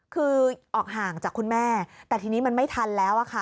คือออกห่างจากคุณแม่แต่ทีนี้มันไม่ทันแล้วค่ะ